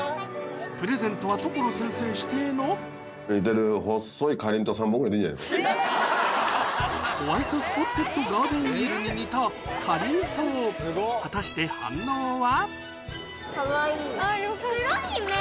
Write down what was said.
プレゼントは所先生指定のホワイトスポッテッドガーデンイールに似たかりんとう果たして反応は？